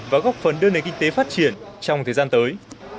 và góp phần đơn đề kinh tế phát triển trong thời gian tới